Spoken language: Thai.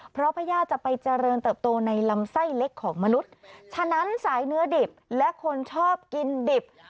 เพราะพญาติจะไปเจริญเติบโตในลำไส้เล็กของมนุษย์ฉะนั้นสายเนื้อดิบและคนชอบกินดิบ